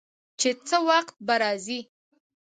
چې څه وخت به راځي.